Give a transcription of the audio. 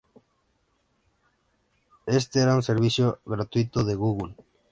Este era un servicio gratuito de Google.